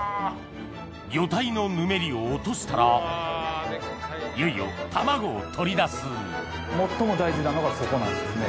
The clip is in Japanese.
魚体のヌメリを落としたらいよいよ卵を採り出す最も大事なのがそこなんですね。